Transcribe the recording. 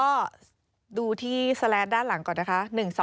ก็ดูที่สแลนดด้านหลังก่อนนะคะ